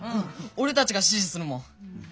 俺たちが支持するもん。